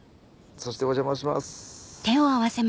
そしてお邪魔します。